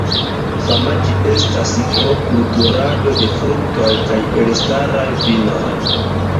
Fama ĝi estas pro kulturado de fruktoj kaj elstaraj vinoj.